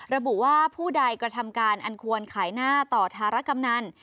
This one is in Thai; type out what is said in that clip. ระบุว่าผู้ใดกระทำการอันควรขายหน้าต่อธารกำนัน